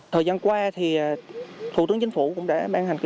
thời gian qua thì thủ tướng chính phủ cũng đã ban hành